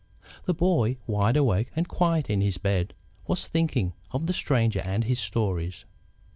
The boy, wide awake and quiet in his bed, was thinking of the Stranger and his stories.